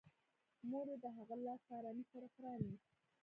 مور یې د هغه لاس په ارامۍ سره پرانيست